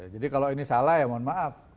jadi kalau ini salah ya mohon maaf